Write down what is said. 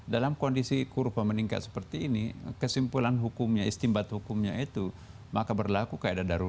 dalam kondisi kurva meningkat seperti ini kesimpulan hukumnya istimbat hukumnya itu maka berlaku keadaan darurat